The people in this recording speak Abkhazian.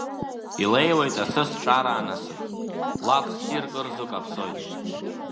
Илеиуеит асы сҿара анасыԥ, лакә-ссирк ырзо каԥсоит.